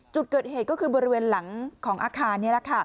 จุดเกิดเหตุก็คือบริเวณหลังของอาคารนี่แหละค่ะ